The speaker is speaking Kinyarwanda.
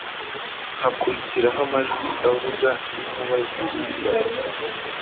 hakurikiraho amajwi avuga n’inkuba zihinda,